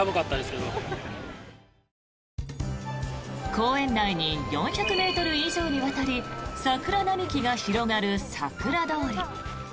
公園内に４００ｍ以上にわたり桜並木が広がるさくら通り。